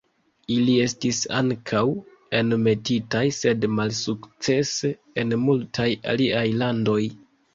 Ili estis ankaŭ enmetitaj sed malsukcese en multaj aliaj landoj.